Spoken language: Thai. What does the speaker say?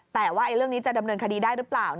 แต่ว่าเรื่องนี้จะดำเนินคดีได้หรือเปล่า